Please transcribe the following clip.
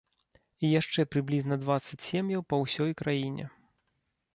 І яшчэ прыблізна дваццаць сем'яў па ўсёй краіне.